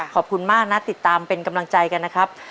ขอบคุณมากนะติดตามเป็นกำลังใจกันนะครับ